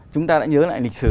chúng ta đã nhớ lại lịch sử